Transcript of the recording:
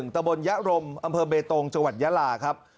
ตะบนยะรมอำเภอเบตงจังหวัดยาลาครับ